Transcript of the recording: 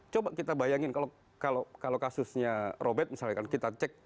coba kita bayangin kalau kasusnya robert misalkan kita cek